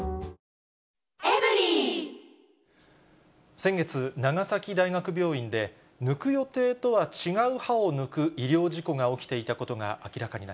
先月、長崎大学病院で、抜く予定とは違う歯を抜く医療事故が起きていたことが明らかにな